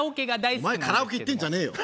お前カラオケ行ってんじゃねえよ。